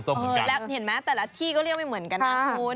เห็นไหมแต่ละที่ก็เรียกไม่เหมือนกันนะคุณ